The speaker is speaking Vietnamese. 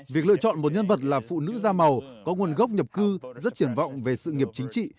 việc lựa chọn một nhân vật là phụ nữ da màu có nguồn gốc nhập cư rất triển vọng về sự nghiệp chính trị